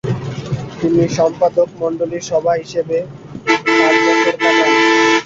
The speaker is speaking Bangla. তিনি সম্পাদকমণ্ডলীর সভ্য হিসেবে পাঁচ বছর কাটান।